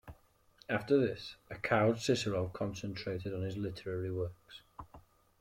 After this, a cowed Cicero concentrated on his literary works.